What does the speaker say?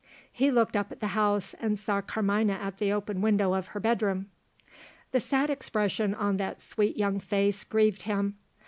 He looked up at the house, and saw Carmina at the open window of her bedroom. The sad expression on that sweet young face grieved him.